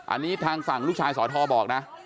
อันนี้ทางฝั่งลูกชายสอทอบอกนะ